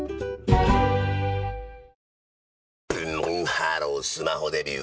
ブンブンハロースマホデビュー！